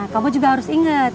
kamu juga harus inget